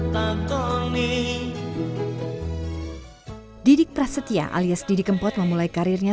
putra setia alias didi kempot memulai karirnya